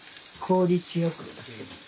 効率よく。